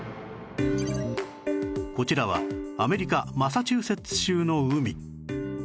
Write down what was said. こちらはアメリカマサチューセッツ州の海